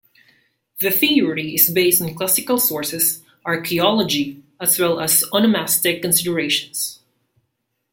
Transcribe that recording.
The theory is based on classical sources, archaeology, as well as onomastic considerations.